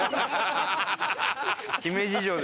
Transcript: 姫路城で。